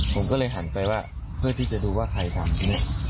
ผมก็หันไปเพื่อที่จะดูว่าใครทำ